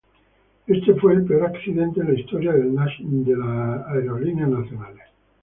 Este fue el peor accidente en la historia de National Airlines.